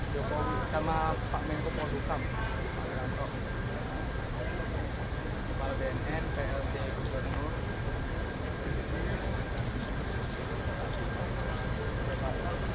dan akan menghasilkan beberapa warna